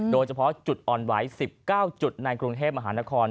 โดยเฉพาะจุดอ่อนไหว๑๙จุดในกรุงเทพมหานคร